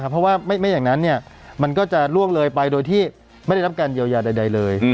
เพราะว่าไม่อย่างนั้นมันก็จะล่วงเลยไปโดยที่ไม่ได้รับการเยียวยาใดเลย